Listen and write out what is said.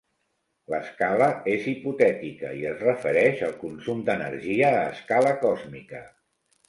L'escala és hipotètica i es refereix al consum d'energia a escala còsmica.